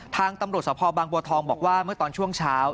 ทางตำรวจสภบางบัวทองบอกว่าเมื่อตอนช่วงเช้า